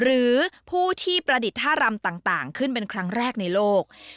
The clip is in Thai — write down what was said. หรือผู้ที่ประดิษฐท่ารำต่างขึ้นเป็นครั้งแรกในโลก